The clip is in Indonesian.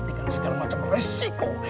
dengan segala macam resiko